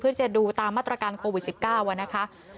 พูดคุยเพื่อจะดูตามมาตรการโควิด๑๙